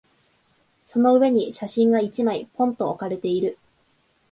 その上に写真が一枚、ぽんと置かれている。